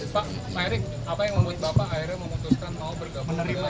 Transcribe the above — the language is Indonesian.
pak pak erick apa yang membuat bapak akhirnya memutuskan mau bergabung dengan jokowi